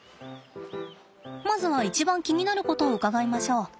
まずは一番気になることを伺いましょう。